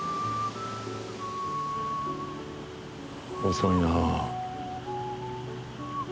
遅いな。